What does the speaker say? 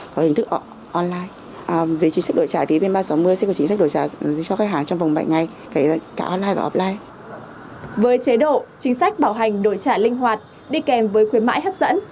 với chế độ chính sách bảo hành đổi trả linh hoạt đi kèm với khuyến mãi hấp dẫn